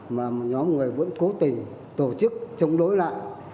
mà nhóm người vẫn cố tình tổ chức chống đối lại